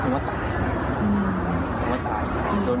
ผมว่าตายผมว่าตายโดนบีบก็ตาย